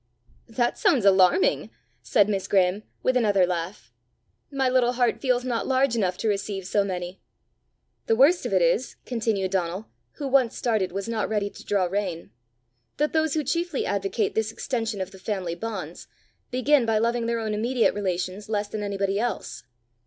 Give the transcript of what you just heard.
"That sounds alarming!" said Miss Graeme, with another laugh. "My little heart feels not large enough to receive so many." "The worst of it is," continued Donal, who once started was not ready to draw rein, "that those who chiefly advocate this extension of the family bonds, begin by loving their own immediate relations less than anybody else.